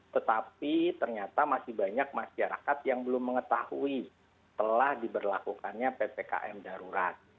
tetapi ternyata masih banyak masyarakat yang belum mengetahui telah diberlakukannya ppkm darurat